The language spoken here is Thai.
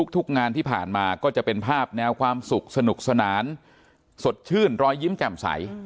ทุกงานที่ผ่านมาก็จะเป็นภาพแนวความสุขสนุกสนานสดชื่นรอยยิ้มแจ่มใส